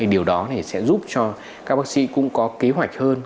điều đó sẽ giúp cho các bác sĩ cũng có kế hoạch hơn